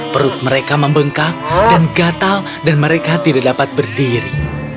perut mereka membengkak dan gatal dan mereka tidak dapat berdiri